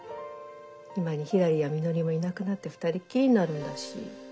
今にひらりやみのりもいなくなって二人っきりになるんだし。